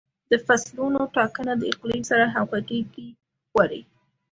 د فصلونو ټاکنه د اقلیم سره همغږي غواړي.